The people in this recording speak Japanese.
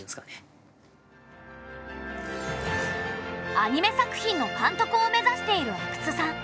アニメ作品の監督を目指している阿久津さん。